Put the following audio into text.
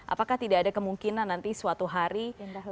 apakah tidak ada kemungkinan nanti suatu hal itu akan terjadi